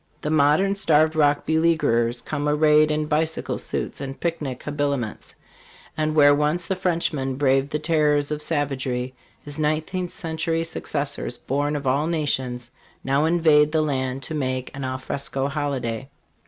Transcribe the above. The modern Starved Rock beleaguererscome arrayed in bicycle suits and picnic habiliments; and where once the Frenchman braved the terrors of savagery, his nineteenth century successors, born of all nations, now invade the land to make an al fresco holiday.